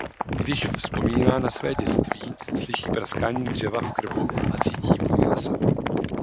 Když vzpomíná na své dětství slyší praskání dřeva v krbu a cítí vůni lesa.